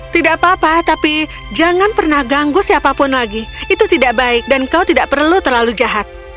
tidak apa apa tapi jangan pernah ganggu siapapun lagi itu tidak baik dan kau tidak perlu terlalu jahat